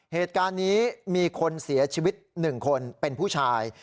เหตุการณ์นี้มีคนเสียชีวิต๑คนเป็นผู้ชาย